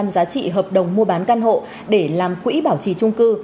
hai giá trị hợp đồng mua bán căn hộ để làm quỹ bảo trì chung cư